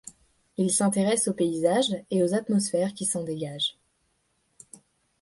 Il s'intéresse aux paysages et aux atmosphères qui s'en dégagent.